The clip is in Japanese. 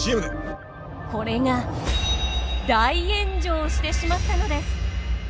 これが大炎上してしまったのです！